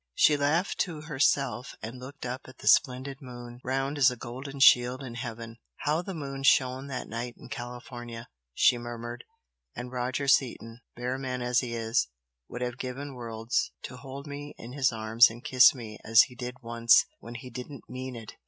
She laughed to herself and looked up at the splendid moon, round as a golden shield in heaven. "How the moon shone that night in California!" she murmured "And Roger Seaton bear man as he is would have given worlds to hold me in his arms and kiss me as he did once when he 'didn't mean it!'